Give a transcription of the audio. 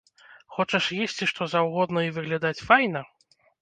Хочаш есці, што заўгодна і выглядаць файна?